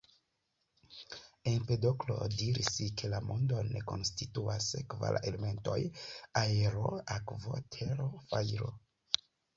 Empedoklo diris ke la mondon konstituas kvar elementoj: aero, akvo, tero, fajro.